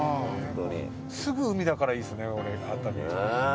すぐ海だからいいですね熱海。